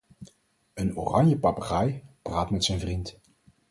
Een oranje papegaai praat met zijn vriend.